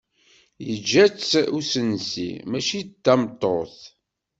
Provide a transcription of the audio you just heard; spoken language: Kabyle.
Yeǧǧa-tt usensi, mačči d tameṭṭut.